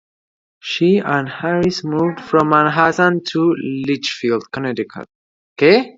She and Harris moved from Manhattan to Litchfield, Connecticut.